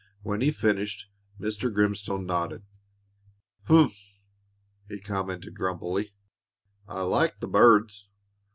When he had finished, Mr. Grimstone nodded. "Humph!" he commented grumpily, "I I like the birds.